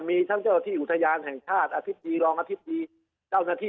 มีทั้งเจ้านาทีอุทยานแห่งชาติอธิภิกษ์กีฤหร่องอธิภิกษ์กีเจ้านาที